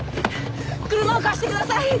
車を貸してください！